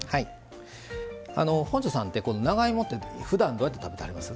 本上さんって長芋はふだん、どうやって食べはります？